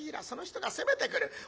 その人が攻めてくる。